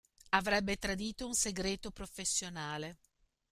Avrebbe tradito un segreto professionale.